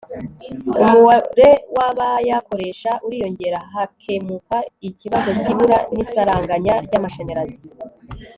umubare w' abayakoresha uriyongera, hakemuka ikibazo cy' ibura n' isaranganya ry' amashanyarazi